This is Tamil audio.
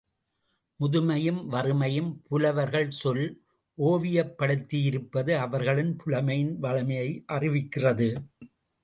முதுமையையும் வறுமையையும் புலவர்கள் சொல் ஓவியப்படுத்தியிருப்பது அவர்களின் புலமையின் வளமையை அறிவிக்கிறது.